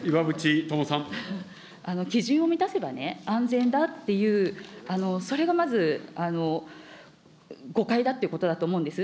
基準を満たせば安全だっていう、それがまず誤解だっていうことだと思うんです。